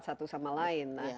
satu sama lain